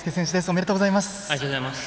ありがとうございます。